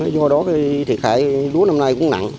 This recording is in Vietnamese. do đó thì thiệt hại lúa năm nay